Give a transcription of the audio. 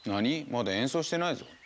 まだ演奏してないぞ。